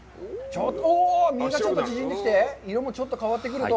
身がちょっと縮んできて、色もちょっと変わってくると。